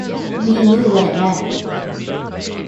We knew what it meant.